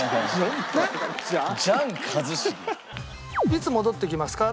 「いつ戻ってきますか？」